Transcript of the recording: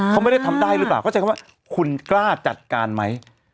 เขาไม่ได้ทำได้หรือเปล่าเขาใช้คำว่าคุณกล้าจัดการไหม